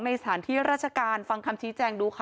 สถานที่ราชการฟังคำชี้แจงดูค่ะ